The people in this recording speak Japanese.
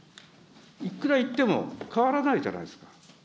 いくら言っても変わらないじゃないですか。